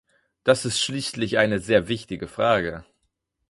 Das ist schließlich eine sehr wichtige Frage.